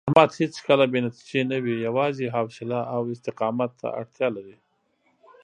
زحمت هېڅکله بې نتیجې نه وي، یوازې حوصله او استقامت ته اړتیا لري.